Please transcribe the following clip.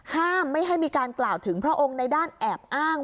ห้ามไม่ให้มีการกล่าวถึงพระองค์ในด้านแอบอ้าง